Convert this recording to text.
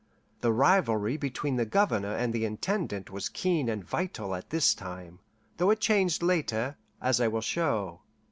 The rivalry between the Governor and the Intendant was keen and vital at this time, though it changed later, as I will show.